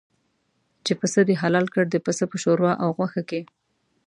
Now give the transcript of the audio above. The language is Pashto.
چې پسه دې حلال کړ د پسه په شوروا او غوښه کې.